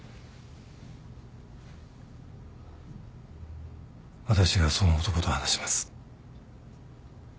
私がその男と話します。